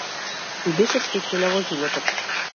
Ми беше светлина во животот.